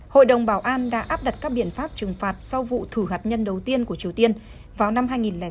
hội đồng bảo an đã áp đặt các biện pháp trừng phạt sau vụ thử hạt nhân đầu tiên của triều tiên vào năm hai nghìn chín